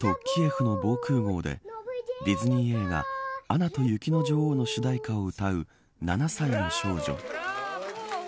キエフの防空壕でディズニー映画アナと雪の女王の主題歌を歌う７歳の少女。